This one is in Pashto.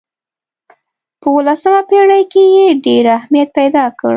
په اولسمه پېړۍ کې یې ډېر اهمیت پیدا کړ.